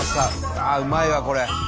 ああうまいわこれ。